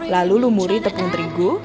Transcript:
lalu lumuri tepung terigu